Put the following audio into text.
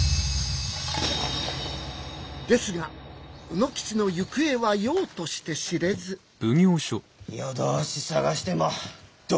ですが卯之吉の行方は杳として知れず夜通し捜してもどこにもいやしねえ。